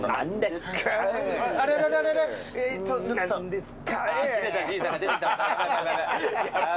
「何ですかぁ」